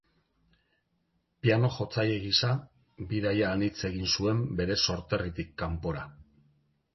Piano-jotzaile gisa bidaia anitz egin zuen bere sorterritik kanpora.